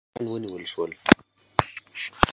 طرفداران ونیول شول.